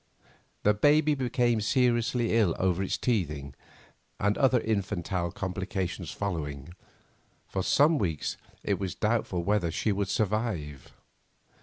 The baby became seriously ill over its teething, and, other infantile complications following, for some weeks it was doubtful whether she would survive.